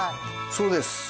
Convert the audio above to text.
そうです。